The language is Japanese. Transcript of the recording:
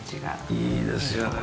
いいですよね。